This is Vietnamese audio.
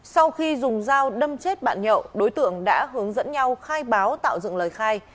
sau khi dùng dao đâm chết bạn nhậu đối tượng đã hướng dẫn nhau khai báo tạo dựng lời khai